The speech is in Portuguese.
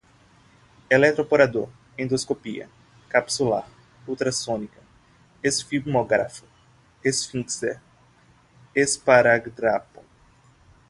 eletroporador, endoscopia capsular, ultrassônica, esfigmógrafo, esfíncter, esparadrapo